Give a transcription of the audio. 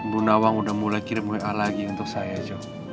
bu nawang udah mulai kirim wa lagi untuk saya jo